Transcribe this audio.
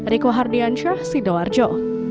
riku hardiansyah sidoarjo